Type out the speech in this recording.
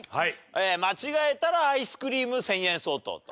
間違えたらアイスクリーム１０００円相当と。